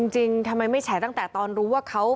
จริงทำไมไม่แฉตั้งแต่ตอนรู้ว่าเขา